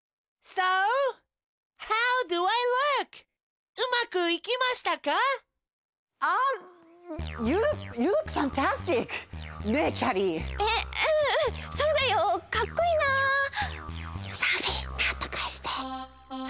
サフィーなんとかして！